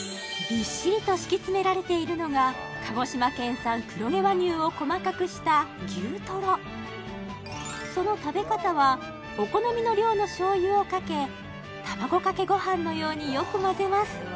びっしりと敷き詰められているのが鹿児島県産黒毛和牛を細かくした牛トロその食べ方はお好みの量のしょう油をかけ卵かけご飯のようによく混ぜます